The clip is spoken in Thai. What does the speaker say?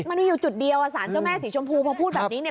มันไม่อยู่จุดเดียวสารเจ้าแม่สีชมพูพอพูดแบบนี้